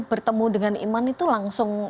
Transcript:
bertemu dengan iman itu langsung